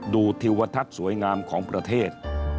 ดูทิวทัศน์สวยงามของประเทศ